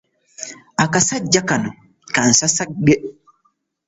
Akasajja akatono kano ka nsasagge!